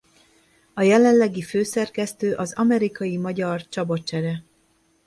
A jelenlegi főszerkesztő az amerikai-magyar Csaba Csere.